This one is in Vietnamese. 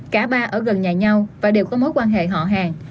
cả ba ở gần nhà nhau và đều có mối quan hệ họ hàng